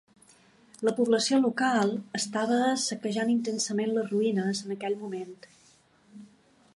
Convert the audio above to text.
La població local estava saquejant intensivament les ruïnes en aquell moment.